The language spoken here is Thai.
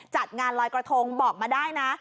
จัดงานลอยกระทงบอกมาได้นะ